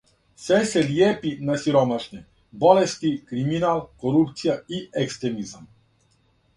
Све се лијепи на сиромашне: болести, криминал, корупција и екстремизам.